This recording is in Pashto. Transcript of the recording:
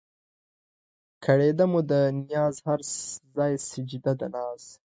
کړېده مو ده نياز هر ځای سجده د ناز